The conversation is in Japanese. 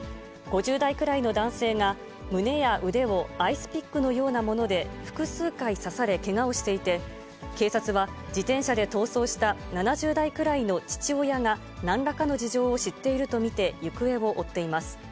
５０代くらいの男性が、胸や腕をアイスピックのようなもので複数回、刺されけがをしていて、警察は、自転車で逃走した７０代くらいの父親が、なんらかの事情を知っていると見て、行方を追っています。